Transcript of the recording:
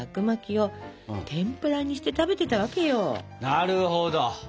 なるほど！